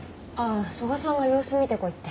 曽我さんが様子見てこいって。